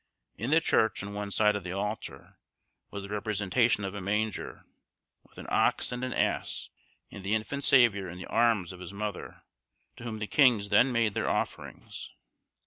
In the church, on one side of the altar, was the representation of a manger, with an ox and an ass; and the infant Saviour in the arms of his mother, to whom the kings then made their offerings.